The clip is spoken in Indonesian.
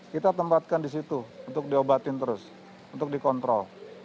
kita tempatkan di situ untuk diobatin terus untuk dikontrol